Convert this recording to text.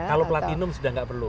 kalau platinum sudah nggak perlu